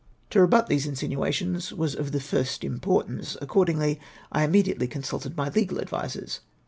To rebut these insinuations was of the first impor tance. Accordingly I immediately consulted my legal advisers.